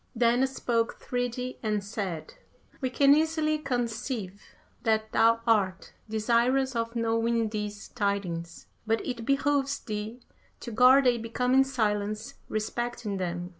Then spake Thridi and said, "We can easily conceive that thou art desirous of knowing these tidings, but it behooves thee to guard a becoming silence respecting them.